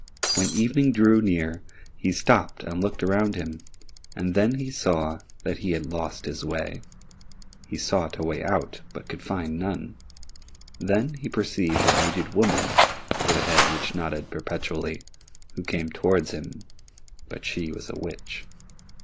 When evening drew near he stopped and looked around him, and then he saw that he had lost his way. He sought a way out, but could find none. Then he perceived an aged woman with a head which nodded perpetually, who came towards him, but she was a witch.